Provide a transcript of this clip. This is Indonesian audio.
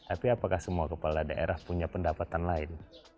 tapi apakah semua kepala daerah punya pendapatan lain